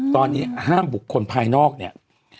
ตอนนี้ห้ามบุคคลภายนอกเนี่ย